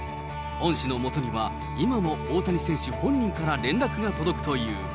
恩師のもとには今も大谷選手本人から連絡が届くという。